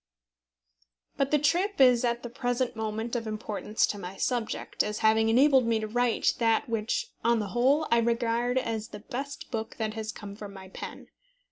But the trip is at the present moment of importance to my subject, as having enabled me to write that which, on the whole, I regard as the best book that has come from my pen.